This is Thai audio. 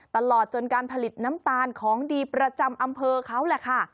ตลอดจนการผลิตน้ำตาลของดีประจำอำเภอเขาแหละค่ะ